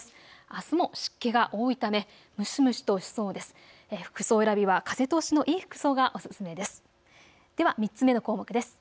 あすも湿気が多いため蒸し蒸しとしそうです。